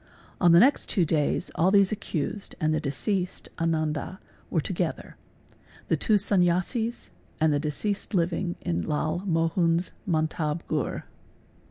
On the next two days all these accused and the deceased Ananda were ,_ together: the two Sanyasis and the deceased living in Lal Mohun's a mantab ghur.